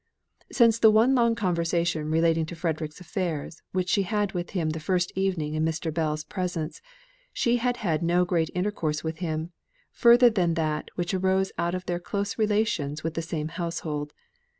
Since the one long conversation relating to Frederick's affairs, which she had with him the first evening in Mr. Bell's presence, she had had no great intercourse with him, further than that which arose out of their close relations with the same household.